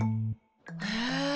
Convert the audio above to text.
へえ。